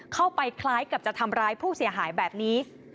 คล้ายกับจะทำร้ายผู้เสียหายแบบนี้